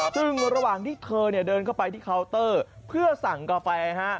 ซึ่งระหว่างที่เธอเดินเข้าไปที่เคาน์เตอร์เพื่อสั่งกาแฟ